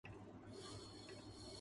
جو جی میں آتا کر ڈالتے۔